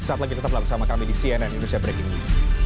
saat lagi tetaplah bersama kami di cnn indonesia breaking news